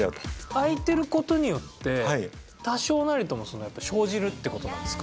空いてる事によって多少なりとも生じるって事なんですか？